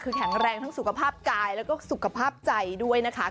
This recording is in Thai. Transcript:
คือแข็งแรงทั้งสุขภาพกายแล้วก็สุขภาพใจด้วยนะคะ